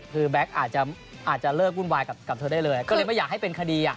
คือแบ็คอาจจะเลิกวุ่นวายกับเธอได้เลยก็เลยไม่อยากให้เป็นคดีอ่ะ